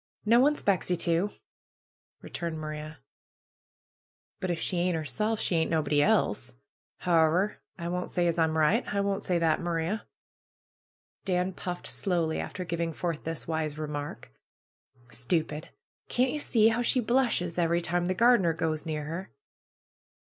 No one 'spects ye to!" returned Maria. "But if she ain't 'erself, she ain't nobody else. How ever, I won't say as I'm right. I won't say that, Maria." Dan puffed slowly, after giving forth this wise re mark. "Stupid! Can't ye see how she blushes every time the gardener goes near her!"